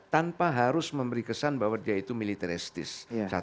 tanpa harus memberi kesan bahwa dia itu militeristis